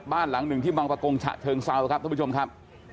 บ้านหลังหนึ่งที่บางประกงฉะเชิงเซาครับท่านผู้ชมครับ